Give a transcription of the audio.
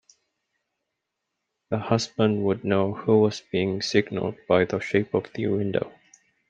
The husband would know who was being signalled by the shape of the window.